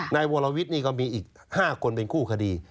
นายวรวิทย์นี่ก็มีอีก๕คนเป็นคู่คดี